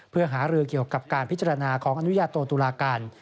เพื่อหารือเกี่ยวกับการพิจารณาของอนุญาโตตุลาการ